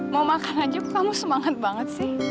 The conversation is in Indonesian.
mau makan aja kamu semangat banget sih